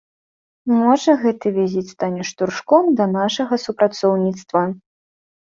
Можа, гэты візіт стане штуршком да нашага супрацоўніцтва.